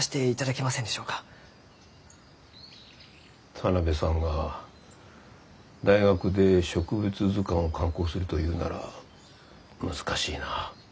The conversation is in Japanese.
田邊さんが大学で植物図鑑を刊行するというなら難しいな。